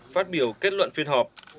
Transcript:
phát biểu kết luận phiên họp